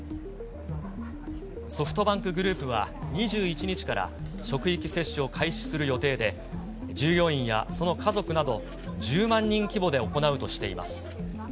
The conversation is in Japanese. ソフトバンクグループは、２１日から、職域接種を開始する従業員やその家族など１０万人規模で行うとしています。